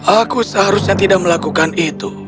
aku seharusnya tidak melakukan itu